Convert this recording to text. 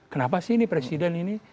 kenapa sih ini presiden ini